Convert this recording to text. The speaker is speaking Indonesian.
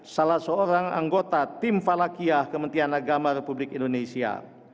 salah seorang anggota tim falakia kementian agama republik indonesia